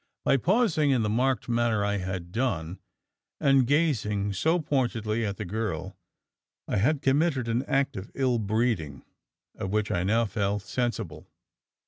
By pausing in the marked manner I had done, and gazing so pointedly at the girl, I had committed an act of ill breeding of which I now felt sensible.